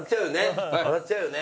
笑っちゃうよね。